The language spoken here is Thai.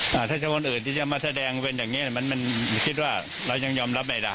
ถ้าจะคนอื่นที่จะมาแสดงเป็นอย่างเงี้มันมันคิดว่าเรายังยอมรับไม่ได้